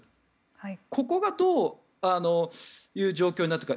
ここがどういう状況になってくるか。